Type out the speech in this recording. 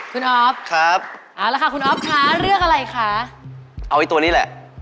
คุณอ๊อฟครับเอาละค่ะคุณอ๊อฟคะเลือกอะไรคะเอาไอ้ตัวนี้แหละ